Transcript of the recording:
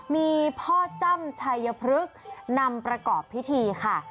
มีพ่อจ้ำชัยพฤกษ์นำประกอบพิธีค่ะ